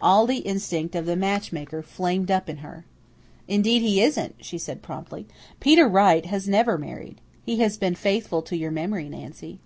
All the instinct of the matchmaker flamed up in her. "Indeed he isn't," she said promptly. "Peter Wright has never married. He has been faithful to your memory, Nancy."